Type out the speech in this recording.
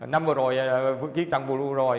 năm vừa rồi ký tầng vừa rồi